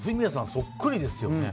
そっくりですよね。